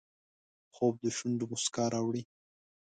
خوب د شونډو مسکا راوړي